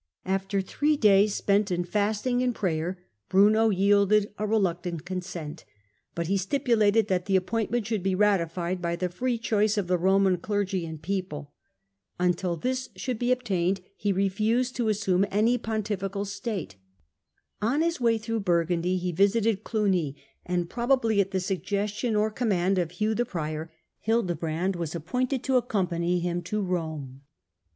After three days spent in fasting and prayer Bruno yielded a reluctant consent ; but he stipulated that the appointment should be ratified by the free choice of the Boman clergy and people. Until this should have been obtained he refused to assume any pontifical state. On his way through Burgundy he visited Olugny, and probably at the suggestion or command of Hugh the Prior, Hildebrand was appointed to accompany him to Eome.